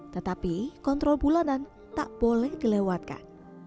tetapi kontrol bulanan tak boleh dilewatkan